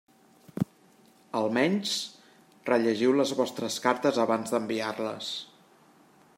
Almenys rellegiu les vostres cartes abans d'enviar-les.